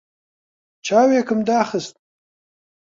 چاوێکم داخست.